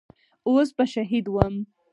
اوس به شهيد وم.